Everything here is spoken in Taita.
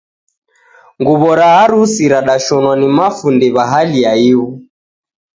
Nguwo ra harusi radashonwa na mafundi wa hali ya ighu.